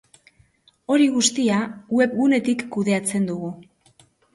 Hori guztia webgunetik kudeatzen dugu.